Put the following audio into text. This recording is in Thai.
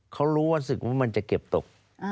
เขารู้ว่าสิ่งที่มันจะเก็บตก